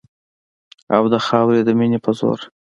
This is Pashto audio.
او د خاورې د مینې په زور